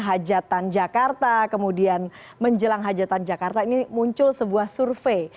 hajatan jakarta kemudian menjelang hajatan jakarta ini muncul sebuah survei